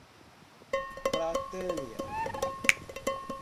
Pratânia